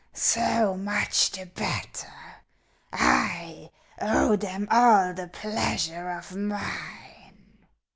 " So much the better ! I owe them all the pleasure of miii